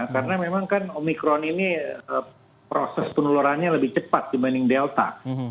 karena memang kan omikron ini proses peneluruhannya lebih cepat dibanding delta